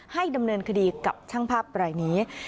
ให้ดำเนินคดีกับช่างภาพรายนี้